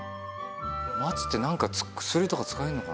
松ってなんか薬とか使えるのかな？